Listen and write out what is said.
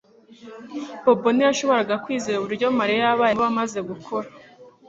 Bobo ntiyashoboraga kwizera uburyo Mariya yabaye mubi amaze gukura